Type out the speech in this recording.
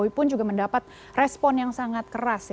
jokowi pun juga mendapat respon yang sangat keras